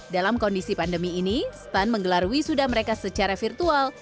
dalam kondisi pandemi ini stun menggelar wisuda mereka secara virtual